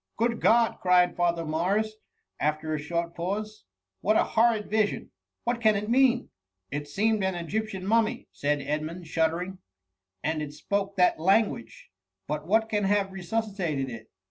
'" Good God P cried Father Morris, after a short pause ;*^ what a horrid vision ! what can it mean ?" ^'It seemed an Egyptian Mummy ,^' said EdrnuHd, shuddering ;*' and it spoke that lan guage. But what can have resuscitated it?